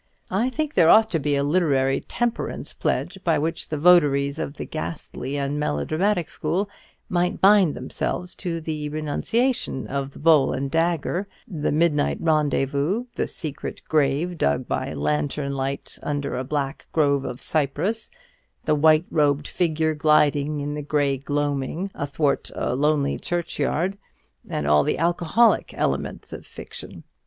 I think there ought to be a literary temperance pledge by which the votaries of the ghastly and melodramatic school might bind themselves to the renunciation of the bowl and dagger, the midnight rendezvous, the secret grave dug by lantern light under a black grove of cypress, the white robed figure gliding in the grey gloaming athwart a lonely churchyard, and all the alcoholic elements of fiction.